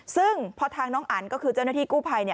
ซึ่งพอทางน้องอันก็คือเจ้าหน้าที่กู้ภัย